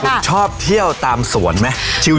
ผมชอบเที่ยวตามสวนไหม